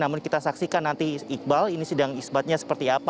namun kita saksikan nanti iqbal ini sidang isbatnya seperti apa